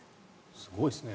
すごいですね。